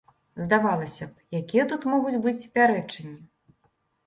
Здавалася б, якія тут могуць быць пярэчанні?